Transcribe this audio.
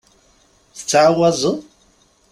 Tettɛawazeḍ?